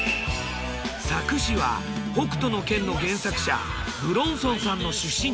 佐久市は『北斗の拳』の原作者武論尊さんの出身地。